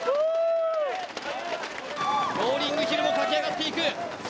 ローリングヒルを駆け上がっていく。